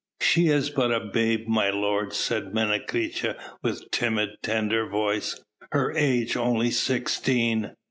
"She is but a babe, my lord," said Menecreta with timid, tender voice; "her age only sixteen.